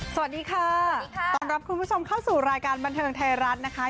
สวัสดีค่ะสวัสดีค่ะต้อนรับคุณผู้ชมเข้าสู่รายการบันเทิงไทยรัฐนะคะ